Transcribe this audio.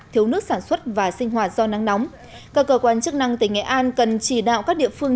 thiếu nước sản xuất và sinh hoạt do nắng nóng các cơ quan chức năng tỉnh nghệ an cần chỉ đạo các địa phương